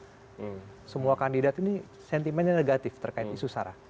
karena semua kandidat ini sentimennya negatif terkait isu sara